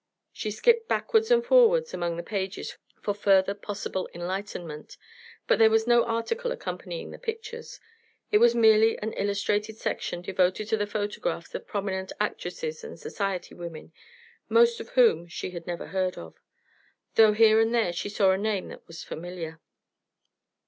She skipped backward and forward among the pages for further possible enlightenment, but there was no article accompanying the pictures. It was merely an illustrated section devoted to the photographs of prominent actresses and society women, most of whom she had never heard of, though here and there she saw a name that was familiar.